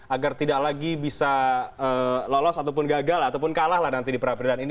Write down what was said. agar tidak lagi bisa lolos ataupun gagal ataupun kalah lah nanti di peradilan ini